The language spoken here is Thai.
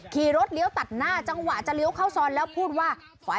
ขี่รถเลี้ยวตัดหน้าจังหวะจะเลี้ยวเข้าซอยแล้วพูดว่า